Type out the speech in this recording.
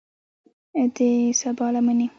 د سبا لمنې